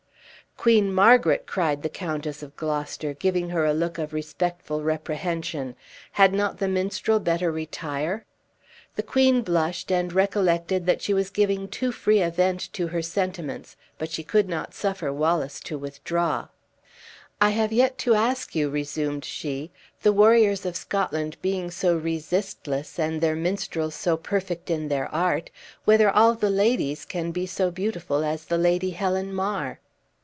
"Queen Margaret!" cried the Countess of Gloucester, giving her a look of respectful reprehension; "had not the minstrel better retire?" The queen blushed, and recollected that she was giving too free a vent to her sentiments; but she could not suffer Wallace to withdraw. "I have yet to ask you," resumed she "the warriors of Scotland being so resistless, and their minstrels so perfect in their art whether all the ladies can be so beautiful as the Lady Helen Mar?"